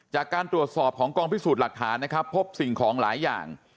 จากการตรวจสอบของกองพิสูจน์หลักฐานนะครับพบสิ่งของหลายอย่าง